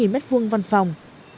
bốn mươi m hai văn phòng